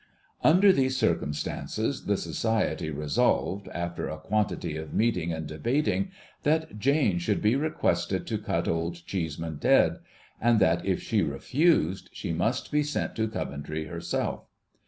Under these circumstances, the Society resolved, after a quantity of meeting and del)ating, that Jane should be rec]uested to cut Old Cheeseman dead ; and that if she refused, she must be sent to Coventry herself.